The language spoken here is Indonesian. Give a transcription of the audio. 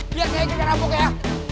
biar saya kejar ampuk ya